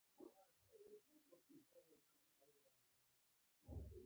ښاروال د ښاري خدماتو مدیر دی